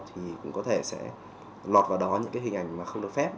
thì cũng có thể sẽ lọt vào đó những cái hình ảnh mà không được phép